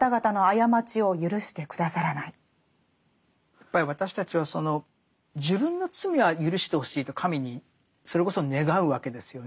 やっぱり私たちはその自分の罪はゆるしてほしいと神にそれこそ願うわけですよね。